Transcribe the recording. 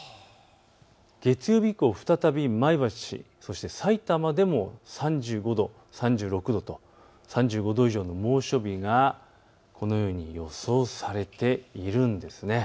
月曜日以降、再び前橋、さいたまでも３５度、３６度と３５度以上の猛暑日がこのように予想されているんです。